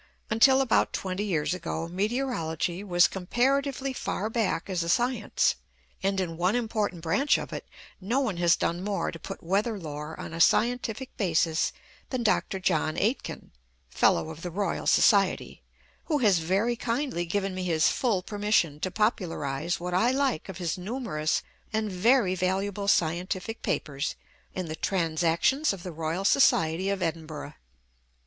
Until about twenty years ago, Meteorology was comparatively far back as a science; and in one important branch of it, no one has done more to put weather lore on a scientific basis than Dr. John Aitken, F.R.S., who has very kindly given me his full permission to popularise what I like of his numerous and very valuable scientific papers in the Transactions of the Royal Society of Edinburgh.